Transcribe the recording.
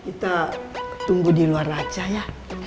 kita tunggu diluar aja ya